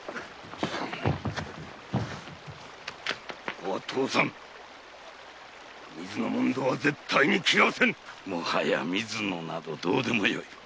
ここは通さん水野主水は絶対に斬らせぬもはや水野などどうでもよい。